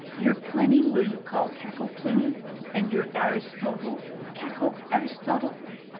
your Pliny will you call Cacopliny, and your Aristotle, Caco« aristotle